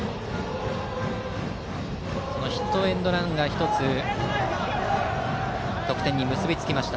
ヒットエンドランが１つ得点に結びつきました。